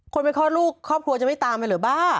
คนไปคลอดลูกครอบครัวจะไม่ตามไปเหรอบ้า